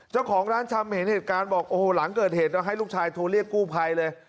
เจ้าของร้านชำเห็นเหตุการณ์บอกโอ้โหหลังเกิดเหตุก็ให้ลูกชายโทรเรียกกู้ภัยเลย